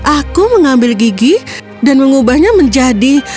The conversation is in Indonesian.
aku mengambil gigi dan mengubahnya menjadi